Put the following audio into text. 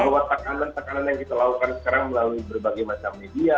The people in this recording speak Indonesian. bahwa tekanan tekanan yang kita lakukan sekarang melalui berbagai macam media